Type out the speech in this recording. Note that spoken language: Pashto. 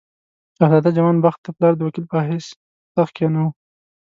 شهزاده جوان بخت د پلار د وکیل په حیث پر تخت کښېناوه.